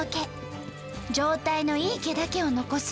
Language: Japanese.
状態のいい毛だけを残す